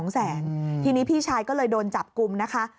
ทีนี้พี่ชายก็เลยโดนจับกลุ่มนะคะ